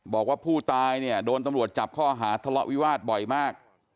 บอกว่าผู้ตายเนี่ยโดนตำรวจจับข้อหาทะเลาะวิวาสบ่อยมาก